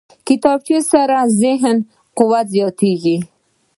کتابچه سره ذهني قدرت زیاتېږي